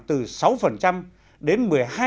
từ sáu đến một mươi hai